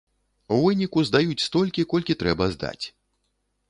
У выніку здаюць столькі, колькі трэба здаць.